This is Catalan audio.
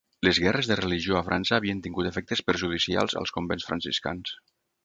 Les guerres de religió a França havien tingut efectes perjudicials als convents franciscans.